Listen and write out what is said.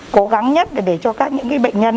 cố gắng nhất để cho các những bệnh nhân